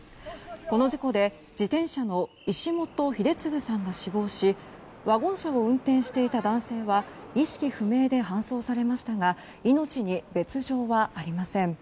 この事故で自転車の石元英嗣さんが死亡しワゴン車を運転していた男性は意識不明で搬送されましたが命に別条はありません。